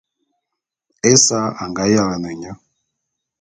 Esa a nga yalane nye.